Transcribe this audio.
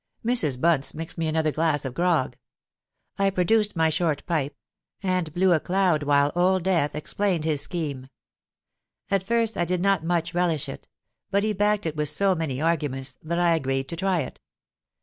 '—Mrs. Bunce mixed me another glass of grog: I produced my short pipe, and blew a cloud while Old Death explained his scheme. At first I did not much relish it: but he backed it with so many arguments, that I agreed to try it.